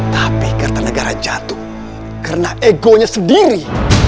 tapi kata negara jatuh karena egonya sendiri